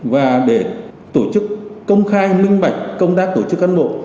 và để tổ chức công khai minh bạch công tác tổ chức cán bộ